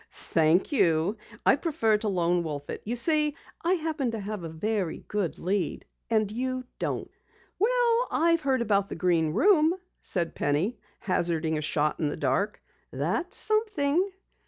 "Thank you, I prefer to lone wolf it. You see, I happen to have a very good lead, and you don't." "Well, I've heard about the Green Room," said Penny, hazarding a shot in the dark. "That's something."